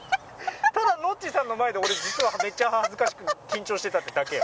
ただのっちさんの前で俺実はめっちゃ恥ずかしくて緊張してたってだけ。